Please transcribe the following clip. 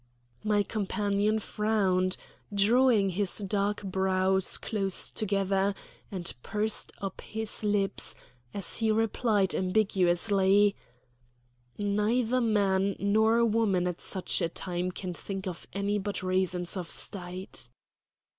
My companion frowned, drawing his dark brows close together, and pursed up his lips, as he replied ambiguously: "Neither man nor woman at such a time can think of any but reasons of State."